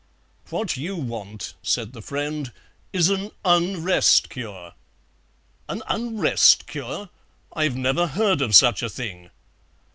"What you want," said the friend, "is an Unrest cure." "An Unrest cure? I've never heard of such a thing."